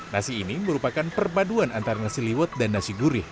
nasi ini merupakan perpaduan antara nasi liwet dan nasi gurih